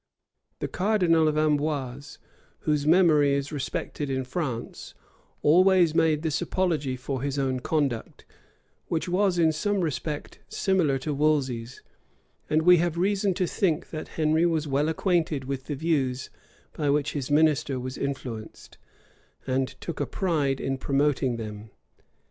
The cardinal of Amboise, whose memory is respected in France, always made this apology for his own conduct, which was, in some respect, similar to Wolsey's; and we have reason to think, that Henry was well acquainted with the views by which his minister was influenced, and took a pride in promoting them.